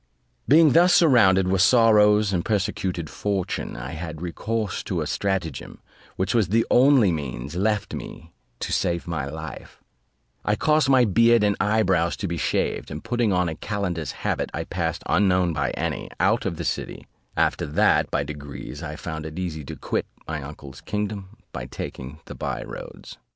Being thus surrounded with sorrows and persecuted by fortune, I had recourse to a stratagem, which was the only means left me to save my life: I caused my beard and eye brows to be shaved, and putting on a calender's habit, I passed, unknown by any, out of the city; after that, by degrees, I found it easy to quit my uncle's kingdom, by taking the bye roads.